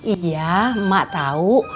iya mak tau